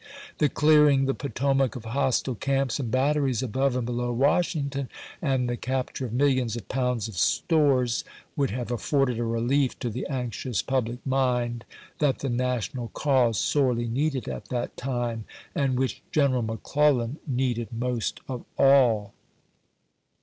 The clearing the Potomac of hostile camps and batteries above and below Washington, and the capture of millions of pounds of stores, would have afforded a relief to the anxious public mind that the National cause sorely needed at that time, and which General McClellan needed most of all.